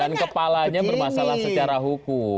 dan kepalanya bermasalah secara hukum